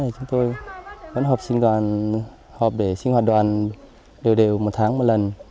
chúng tôi vẫn học để sinh hoạt đoàn đều đều một tháng một lần